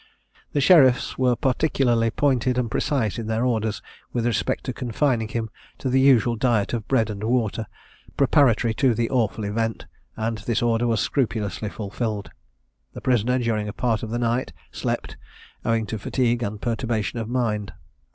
The sheriffs were particularly pointed and precise in their orders, with respect to confining him to the usual diet of bread and water, preparatory to the awful event, and this order was scrupulously fulfilled. The prisoner, during a part of the night, slept, owing to fatigue and perturbation of mind.